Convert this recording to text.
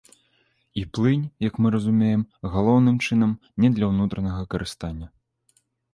І плынь, як мы разумеем, галоўным чынам не для ўнутранага карыстання.